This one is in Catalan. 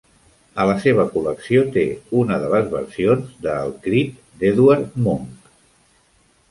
A la seva col·lecció té una de les versions de "El crit" d'Edvard Munch.